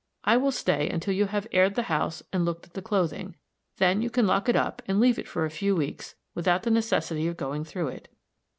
I will stay until you have aired the house and looked at the clothing; then you can lock it up, and leave it for a few weeks without the necessity of going through it."